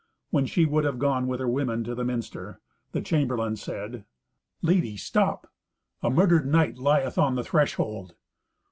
When she would have gone with her women to the minster, the chamberlain said, "Lady, stop! A murdered knight lieth on the threshold."